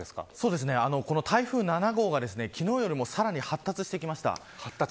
この台風７号は昨日よりもさらに発達してきました。